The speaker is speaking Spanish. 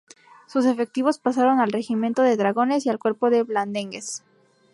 Sus efectivos pasaron al Regimiento de Dragones y al Cuerpo de Blandengues.